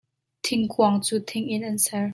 Thingkuang cu thing in an ser.